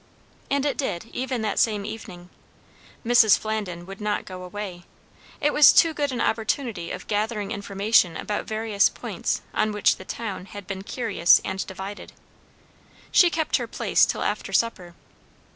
And it did even that same evening. Mrs. Flandin would not go away; it was too good an opportunity of gathering information about various points on which the "town" had been curious and divided. She kept her place till after supper.